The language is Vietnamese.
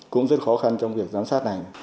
cũng rất khó khăn trong việc giám sát này